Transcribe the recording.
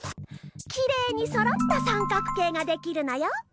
きれいにそろったさんかく形ができるのよ。